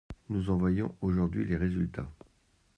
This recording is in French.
Nous en voyons aujourd’hui les résultats.